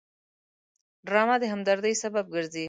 ډرامه د همدردۍ سبب ګرځي